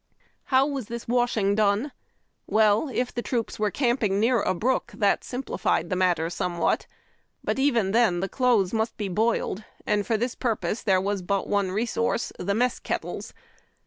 p How was this washing done r Weil, it the troops were camping near a brook, that simplified the matter somewhat ; but even then the clothes must be boiled, and for this purpose there was but one resource — the mess kettles.